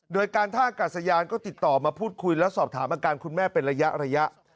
โดยการท่ากัศยานก็ติดต่อมาพูดคุยและสอบถามอาการคุณแม่เป็นระยะ